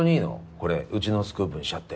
これうちのスクープにしちゃって。